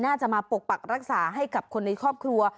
น่าจะมาปกปักรักษาให้กับคนในครอบครัว